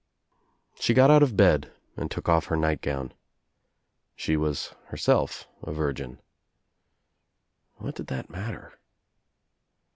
She got out of bed and took off her nightgown. She was herself a virgin. What did that matter?